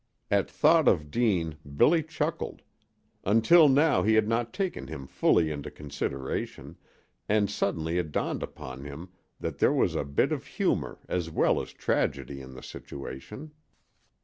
At thought of Deane Billy chuckled. Until now he had not taken him fully into consideration, and suddenly it dawned upon him that there was a bit of humor as well as tragedy in the situation.